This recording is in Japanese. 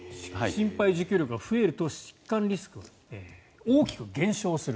心肺持久力が増えると疾患リスクが大きく減少する。